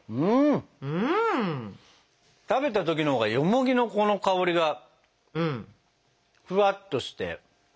食べた時のほうがよもぎのこの香りがフワッとして。